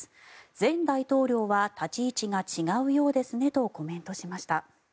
前大統領は立ち位置が違うようですねとコメントしました。